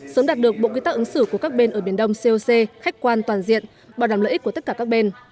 sớm đạt được bộ quy tắc ứng xử của các bên ở biển đông coc khách quan toàn diện bảo đảm lợi ích của tất cả các bên